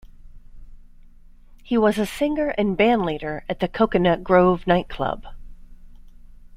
He was a singer and bandleader at the Cocoanut Grove night club.